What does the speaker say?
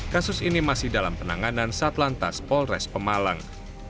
kasus ini masih dalam penanganan saat lantas polres pemalang